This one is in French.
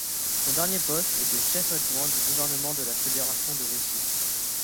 Son dernier poste était chef adjoint du gouvernement de la Fédération de Russie.